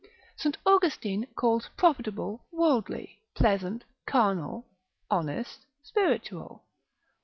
St. Austin calls profitable, worldly; pleasant, carnal; honest, spiritual.